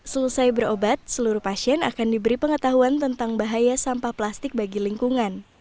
selesai berobat seluruh pasien akan diberi pengetahuan tentang bahaya sampah plastik bagi lingkungan